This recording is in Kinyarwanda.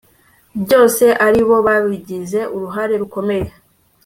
byose ari bo bagize uruhare rukomeye